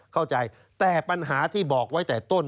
เข้าใจแต่ปัญหาที่บอกไว้แต่ต้น